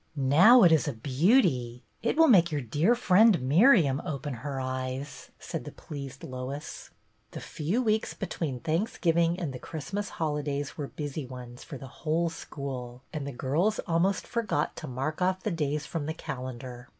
" Now it is a beauty. It will make your dear friend Miriam open her eyes," said the pleased Lois. The few weeks between Thanksgiving and the Christmas holidays were busy ones for the whole school, and the girls almost for got to mark off the days from the calendar.